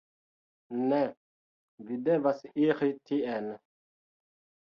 "Ne, vi devas iri tien."